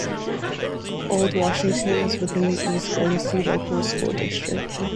Old Washington is within the East Guernsey Local School District.